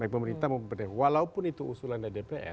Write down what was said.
nah pemerintah mau pemerintah walaupun itu usulan dari dpr